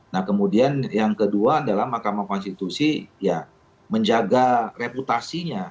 nah kemudian yang kedua adalah mahkamah konstitusi ya menjaga reputasinya